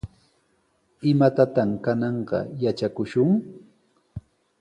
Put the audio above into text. ¿Imatataq kananqa yatrakushun?